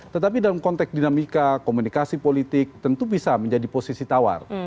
tetapi dalam konteks dinamika komunikasi politik tentu bisa menjadi posisi tawar